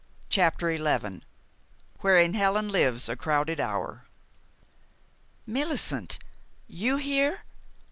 CHAPTER XI WHEREIN HELEN LIVES A CROWDED HOUR "Millicent! You here!"